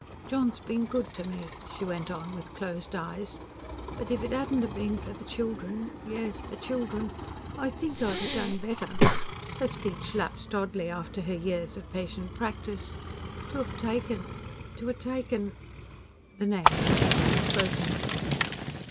"John's been good to me," she went on, with closed eyes. "But... if it 'adn't been for the children ... yes, the children.... I think I'd 'a' done better " her speech lapsed oddly, after her years of patient practice "to 'ave taken ... to 'a' taken" the name remained unspoken.